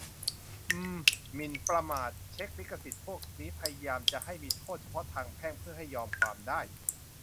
อืม หมิ่นประมาท เช็ค ลิขสิทธิ์ พวกนี้พยายามจะให้มีโทษเฉพาะทางแพ่ง เพื่อให้ยอมความได้